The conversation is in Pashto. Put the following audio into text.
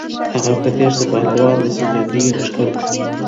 هغه په تېښته پهلوان د سورلنډیو لښکر-